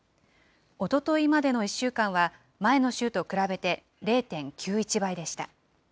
おとといまでの１週間は、前の週と比べて０．９１倍でした。